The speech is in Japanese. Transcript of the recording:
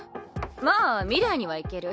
まあ未来には行ける。